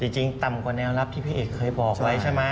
จริงต่ำกว่าแนวรับที่พี่เอกเคยบอกไว้ใช่ไหม